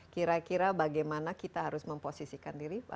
kira kira bagaimana kita harus memposisikan diri